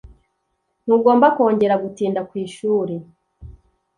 Ntugomba kongera gutinda ku ishuri!